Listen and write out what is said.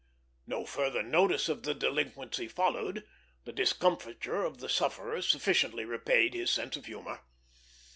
No further notice of the delinquency followed; the discomfiture of the sufferers sufficiently repaid his sense of humor.